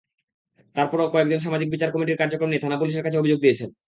তার পরও কয়েকজন সামাজিক বিচার কমিটির কার্যক্রম নিয়ে থানা-পুলিশের কাছে অভিযোগ দিয়েছেন।